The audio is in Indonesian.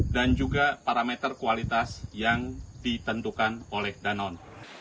dan juga parameter kualitas yang ditentukan oleh danon